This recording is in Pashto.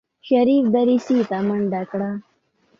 شريف دريڅې ته منډه کړه.